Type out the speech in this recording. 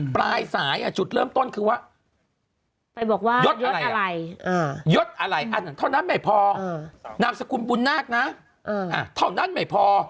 ปลายสายจุดเริ่มต้นคือว่ายดอะไรเท่านั้นไม่พอนามสกุลบุญนาคนะเท่านั้นไม่พอ